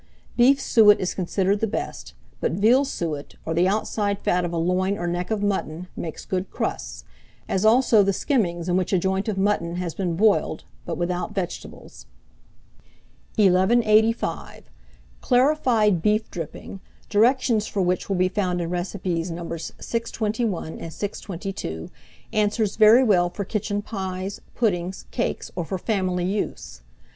Beef suet is considered the best; but veal suet, or the outside fat of a loin or neck of mutton, makes good crusts; as also the skimmings in which a joint of mutton has been boiled, but without vegetables. 1185. Clarified Beef Dripping, directions for which will be found in recipes Nos. 621 and 622, answers very well for kitchen pies, puddings, cakes, or for family use.